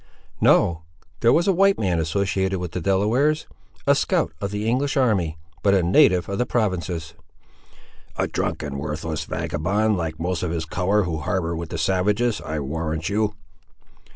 "No. There was a white man associated with the Delawares. A scout of the English army, but a native of the provinces." "A drunken worthless vagabond, like most of his colour who harbour with the savages, I warrant you!"